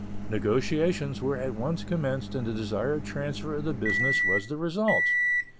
Negotiations were at once commenced and the desired transfer of the business was the result.